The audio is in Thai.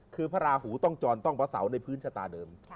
คือพระราหูต้องจรต้องพระเสาในพื้นชะตาเดิม